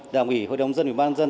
đảm ủy hội đồng dân và ban dân